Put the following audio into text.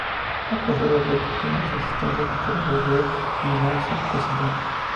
A pesar de haber confirmado su asistencia, los corredores de y no se presentaron.